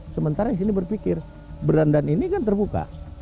sementara di sini berpikir berandan ini kan terbuka